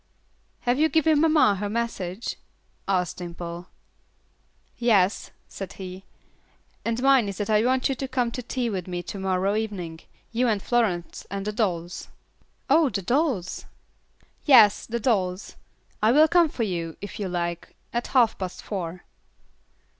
"Have you given mamma her message?" asked Dimple. "Yes," said he, "and mine is that I want you to come to tea with me to morrow evening, you and Florence and the dolls." "Oh, the dolls?" "Yes, the dolls. I will come for you, if you like, at half past four."